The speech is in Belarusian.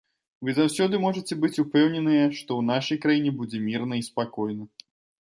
Вы заўсёды можаце быць упэўненыя, што ў нашай краіне будзе мірна і спакойна.